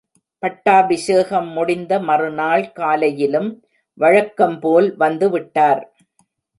பட்டாபிஷேகம் முடிந்த மறுநாள் காலையிலும் வழக்கம் போல் வந்து விட்டார்.